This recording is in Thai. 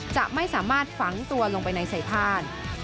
จะไม่สามารถฝังตัวลงไปในสายพาน